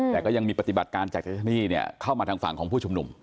แต่ก็ยังมีปฏิบัติการจากเจ้าหน้าที่เข้ามาทางฝั่งของผู้ชุมนุม